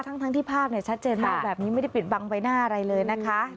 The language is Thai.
ทั้งที่ภาพชัดเจนมากแบบนี้ไม่ได้ปิดบังใบหน้าอะไรเลยนะคะ